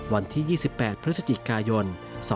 วันที่๒๘พฤศจิกายน๒๕๖